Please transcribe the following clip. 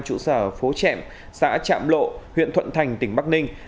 chủ sở phố trẹm xã trạm lộ huyện thuận thành tỉnh bắc ninh